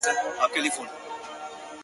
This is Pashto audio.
نو ستا د لوړ قامت، کوچنی تشبه ساز نه يم.